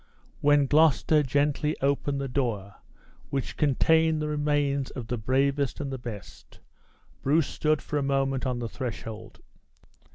When Gloucester gently opened the door, which contained the remains of the bravest and the best, Bruce stood for a moment on the threshold.